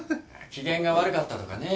機嫌が悪かったとかね